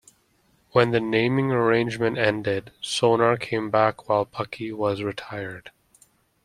When the naming arrangement ended, Sonar came back while Pucky was retired.